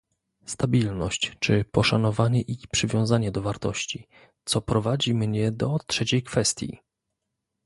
stabilność czy poszanowanie i przywiązanie do wartości, co prowadzi mnie do trzeciej kwestii